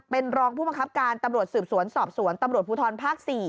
เป็นรองผู้บังคับการตำรวจสืบสวนสอบสวนตำรวจภูทรภาค๔